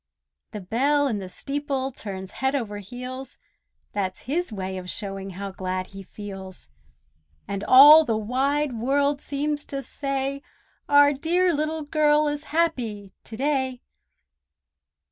The bell in the steeple turns head over heels, That's his way of showing how glad he feels; And all the wide world seems to say, "Our dear Little Girl is happy to day!"